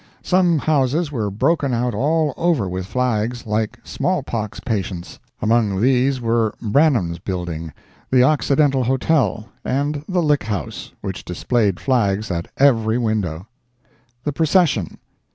Some houses were broken out all over with flags, like small pox patients; among these were Brannan's Building, the Occidental Hotel and the Lick House, which displayed flags at every window. THE PROCESSION.